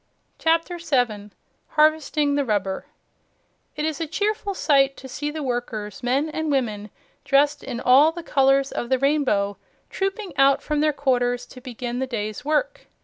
CHAPTER 7 HARVESTING THE RUBBER It is a cheerful sight to see the workers, men and women, dressed in all the colors of the rainbow, trooping out from their quarters to begin the day's work.